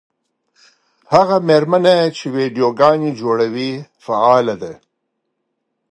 هغه مېرمنه چې ویډیوګانې جوړوي فعاله ده.